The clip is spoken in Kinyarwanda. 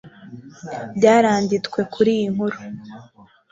byaranditwe kuri iyi nkuru.